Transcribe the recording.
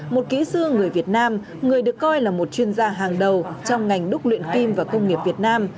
một kỹ sư người việt nam người được coi là một chuyên gia hàng đầu trong ngành đúc luyện kim và công nghiệp việt nam